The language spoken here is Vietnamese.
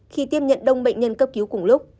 khi tiếp nhận đông bệnh nhân cấp cứu cùng lúc